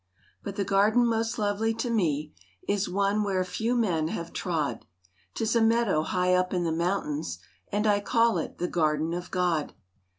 But the garden most lovely to me Is one where few men have trod; 'Tis a meadow high up in the mountains, And I call it the Garden of God.